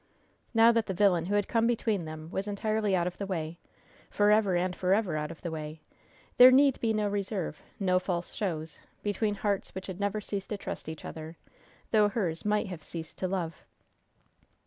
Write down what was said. Now that the villain who had come between them was entirely out of the way forever and forever out of the way there need be no reserve, no false shows, between hearts which had never ceased to trust each other, though hers might have ceased to love.